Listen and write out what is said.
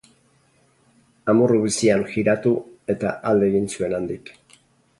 Amorru bizian jiratu eta alde egin zuen handik.